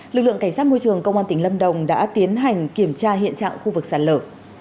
lực lượng cảnh sát môi trường công an tỉnh lâm đồng đã tiến hành kiểm tra hiện trạng khu vực sạt lở